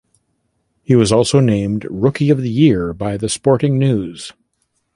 He was also named rookie of the year by the "Sporting News".